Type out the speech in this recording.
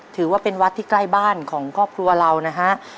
ถือว่าเป็นวัดที่ใกล้บ้านของครอบครัวเรานะฮะ